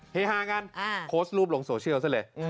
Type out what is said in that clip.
เฮฮากันโพสต์รูปลงโซเชียลซะเลย